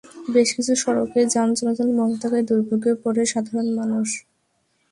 বেশ কিছু সড়কে যান চলাচল বন্ধ থাকায় দুর্ভোগে পড়ে সাধারণ মানুষ।